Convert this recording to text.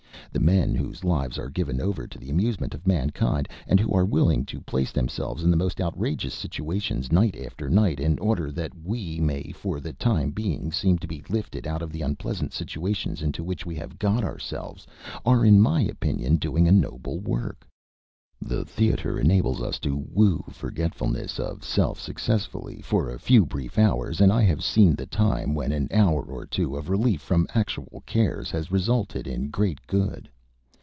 The men whose lives are given over to the amusement of mankind, and who are willing to place themselves in the most outrageous situations night after night in order that we may for the time being seem to be lifted out of the unpleasant situations into which we have got ourselves, are in my opinion doing a noble work. The theatre enables us to woo forgetfulness of self successfully for a few brief hours, and I have seen the time when an hour or two of relief from actual cares has resulted in great good.